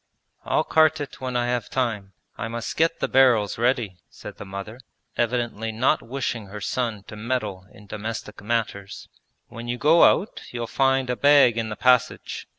'I'll cart it when I have time. I must get the barrels ready,' said the mother, evidently not wishing her son to meddle in domestic matters. 'When you go out you'll find a bag in the passage.